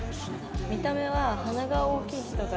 見た目は鼻が大きい人が。